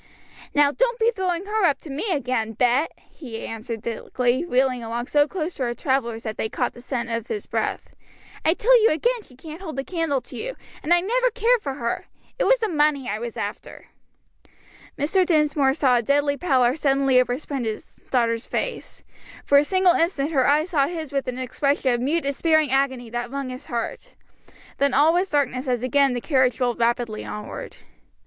"Now don't be throwing her up to me again, Bet," he answered thickly, reeling along so close to our travellers that they caught the scent of his breath; "I tell you again she can't hold a candle to you, and I never cared for her; it was the money I was after." Mr. Dinsmore saw a deadly pallor suddenly overspread his daughter's face; for a single instant her eyes sought his with an expression of mute despairing agony that wrung his heart; then all was darkness as again the carriage rolled rapidly onward.